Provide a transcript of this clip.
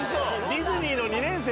ディズニーの２年生？